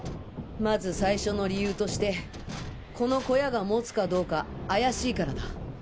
まず最初の理由としてこの小屋が持つかどうか怪しいからだ。